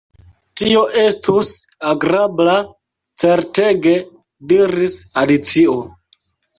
"Tio estus agrabla, certege," diris Alicio.